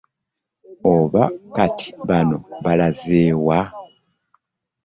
Oba kati bano balaze wa?